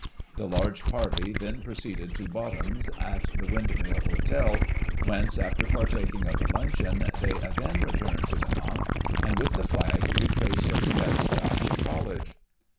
The large party then pro ceeded to Botham's, at the Windmill Hotel, whence, after partciking of a luncheon, they again returned to the Mount, and, with the flag, retraced their steps back to College.